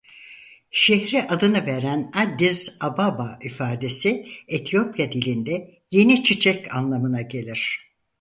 Şehre adını veren Addis Ababa ifadesi Etiyopya dilinde "yeni çiçek" anlamına gelir.